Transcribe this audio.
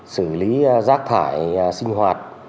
xử lý rác thải sinh hoạt